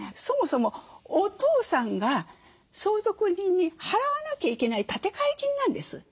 そもそもお父さんが相続人に払わなきゃいけない立て替え金なんです。